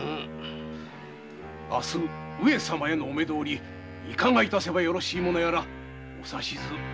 明日上様へのお目通りいかが致せばよろしいものやらお指図願いとう存じまする。